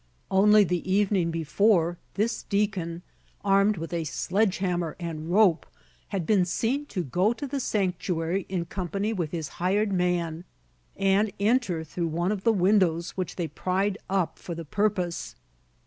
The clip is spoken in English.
Only the evening before, this deacon, armed with a sledgehammer and rope, had been seen to go to the sanctuary in company with his "hired man," and enter through one of the windows, which they pried up for the purpose.